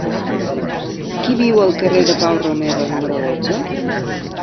Qui viu al carrer de Pau Romeva número dotze?